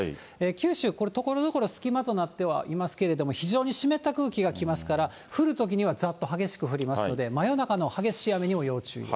九州、これ、ところどころ隙間となってはいますけれども、非常に湿った空気が来ますから、降るときにはざっと激しく降りますので、真夜中の激しい雨にも要注意です。